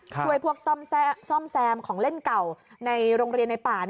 พวกซ่อมแซมของเล่นเก่าในโรงเรียนในป่า